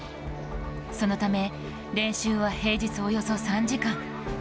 そのため、練習は平日およそ３時間。